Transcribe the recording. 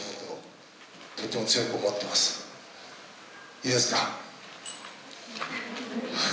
いいですか。